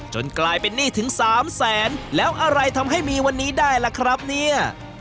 กลายเป็นหนี้ถึง๓แสนแล้วอะไรทำให้มีวันนี้ได้ล่ะครับเนี่ย